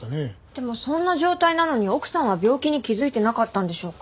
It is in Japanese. でもそんな状態なのに奥さんは病気に気づいてなかったんでしょうか？